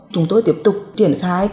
chúng tôi tiếp tục triển khai